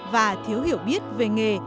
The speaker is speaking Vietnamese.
và thiếu hiểu biết về nghề